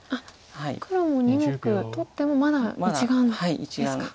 黒も２目取ってもまだ１眼ですか。